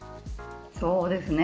そうですね。